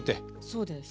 そうです。